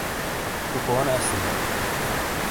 تٗو کونے اسیلو؟